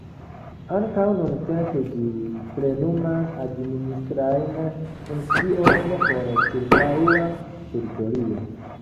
Ankaŭ nuntempe ĝi plenumas administrajn funkciojn por ĉirkaŭa teritorio.